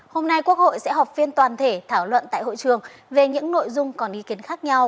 hôm nay quốc hội sẽ họp phiên toàn thể thảo luận tại hội trường về những nội dung còn ý kiến khác nhau